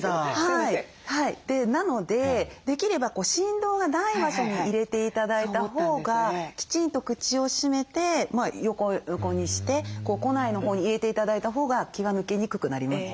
なのでできれば振動がない場所に入れて頂いたほうがきちんと口を閉めて横にして庫内のほうに入れて頂いたほうが気が抜けにくくなりますね。